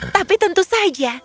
tapi tentu saja